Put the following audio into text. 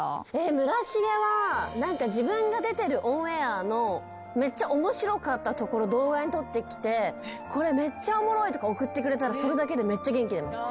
村重は何か自分が出てるオンエアのめっちゃ面白かったところ動画にとってきてこれめっちゃおもろいとか送ってくれたらそれだけでめっちゃ元気出ます。